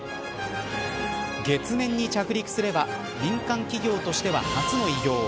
月面に着陸すれば民間企業としては初の偉業。